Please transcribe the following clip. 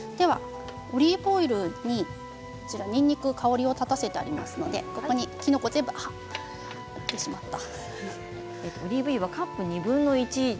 オリーブオイルに、にんにく香りを立たせてありますのでここに、きのこを全部入れてしまいます。